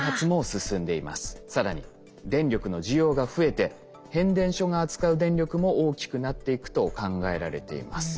更に電力の需要が増えて変電所が扱う電力も大きくなっていくと考えられています。